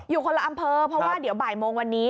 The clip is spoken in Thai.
อยู่คนละอำเภอเพราะว่าเดี๋ยวบ่ายโมงวันนี้